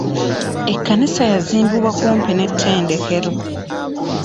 Ekkanisa yazimbibwa kumpi n'ettendekero.